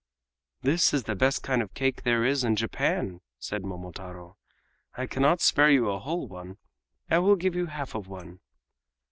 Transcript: "This is the best kind of cake there is in Japan," said Momotaro. "I cannot spare you a whole one; I will give you half of one."